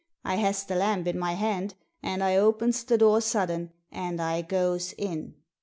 I has the lamp in my hand, and I opens the door sudden, and I goes in."